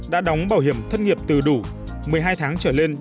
đã đóng bảo hiểm thất nghiệp từ đủ một mươi hai tháng trở lên